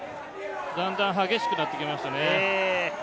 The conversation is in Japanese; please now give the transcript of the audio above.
だんだん激しくなってきましたね。